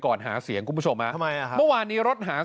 หาเสียงคุณผู้ชมฮะทำไมอ่ะฮะเมื่อวานนี้รถหา